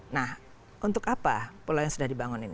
nah untuk apa pulau yang sudah dibangun ini